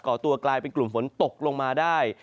ตัวกลายเป็นกลุ่มฝนตกลงมาได้